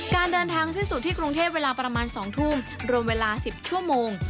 การเดินทางสิ้นสุดที่กรุงเทพเวลาประมาณ๒ทุ่มรวมเวลา๑๐ชั่วโมง